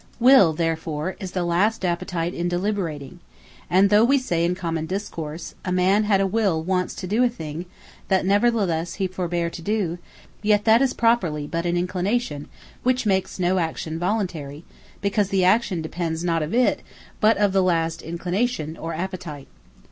Will, therefore, Is The Last Appetite In Deliberating. And though we say in common Discourse, a man had a Will once to do a thing, that neverthelesse he forbore to do; yet that is properly but an Inclination, which makes no Action Voluntary; because the action depends not of it, but of the last Inclination, or Appetite.